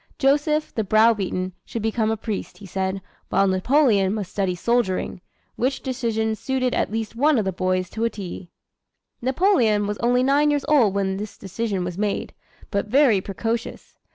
Joseph, the brow beaten, should become a priest, he said, while Napoleon must study soldiering which decision suited at least one of the boys to a T. Napoleon was only nine years old when this decision was made, but very precocious.